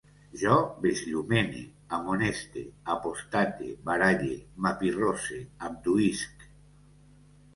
Jo besllumene, amoneste, apostate, baralle, m'apirrosse, abduïsc